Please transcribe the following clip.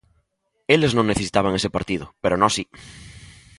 Eles non necesitaban ese partido, pero nós si.